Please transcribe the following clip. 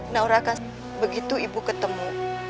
naura akan selamat begitu ibu ketemu